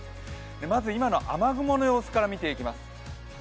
まず今の雨雲の様子から見ていきます。